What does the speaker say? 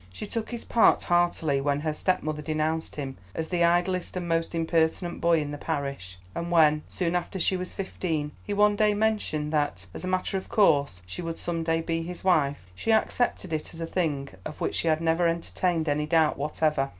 She took his part heartily when her stepmother denounced him as the idlest and most impertinent boy in the parish; and when, soon after she was fifteen, he one day mentioned that, as a matter of course, she would some day be his wife, she accepted it as a thing of which she had never entertained any doubt whatever.